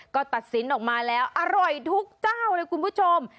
ก็ตัดสินออกมาแล้วอร่อยทุกเจ้าเลยคุณผู้ชม